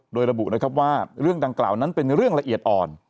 โดยระบุนะครับว่าเรื่องดังกล่าวนั้นเป็นเรื่องละเอียดอ่อน